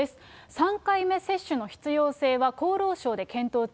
３回目接種の必要性は厚労省で検討中。